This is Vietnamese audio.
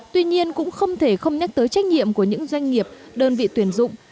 tuy nhiên cũng không thể không nhắc tới trách nhiệm của những doanh nghiệp đơn vị tuyển dụng